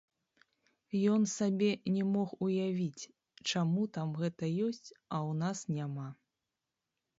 Ён сабе не мог уявіць, чаму там гэта ёсць, а ў нас няма.